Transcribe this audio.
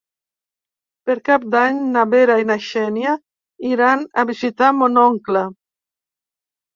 Per Cap d'Any na Vera i na Xènia iran a visitar mon oncle.